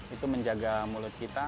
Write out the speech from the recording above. itu menjaga mulut kita